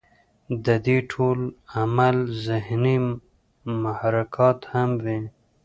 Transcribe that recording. د دې ټول عمل ذهني محرکات هم وي